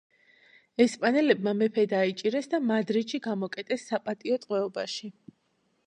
ესპანელებმა მეფე დაიჭირეს და მადრიდში გამოკეტეს საპატიო ტყვეობაში.